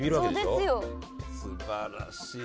すばらしい。